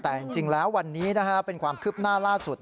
แต่จริงแล้ววันนี้เป็นความคืบหน้าล่าสุด